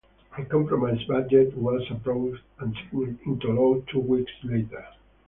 A compromise budget was approved and signed into law two weeks later.